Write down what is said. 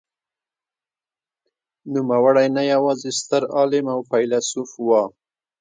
نوموړی نه یوازې ستر عالم او فیلسوف و.